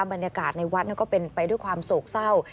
บรรยากาศในวัดก็เป็นไปด้วยความโศกเศร้า